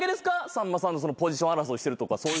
さんまさんのポジション争いしてるとか。